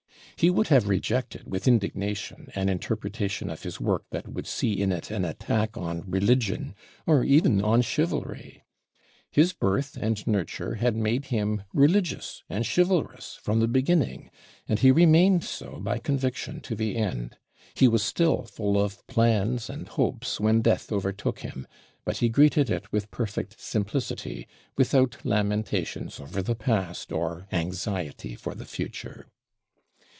He would have rejected with indignation an interpretation of his work that would see in it an attack on religion or even on chivalry. His birth and nurture had made him religious and chivalrous from the beginning, and he remained so by conviction to the end. He was still full of plans and hopes when death overtook him, but he greeted it with perfect simplicity, without lamentations over the past or anxiety for the future.